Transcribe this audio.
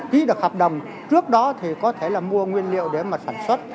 ký được hợp đồng trước đó thì có thể là mua nguyên liệu để mà sản xuất